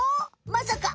まさか。